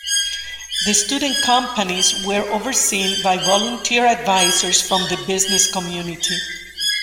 The student companies were overseen by volunteer advisers from the business community.